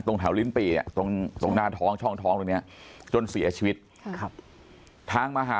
ตรงแถวลิ้นปีเนี่ยตรงหน้าท้องช่องท้องตรงเนี่ยจนเสียชีวิต